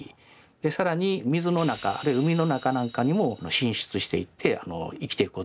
更に水の中あるいは海の中なんかにも進出していって生きていくことができる。